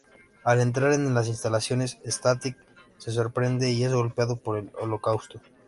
Al entrar en las instalaciones, Static se sorprende y es golpeado por el Holocausto.